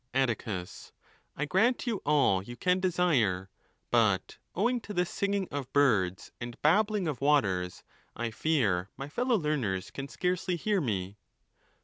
,: Atticus—I grant you all you can desire. But owing te 408 ON THE LAWS. this singing of birds and babbling of waters, I fear my fellow learners can scarcely hear me.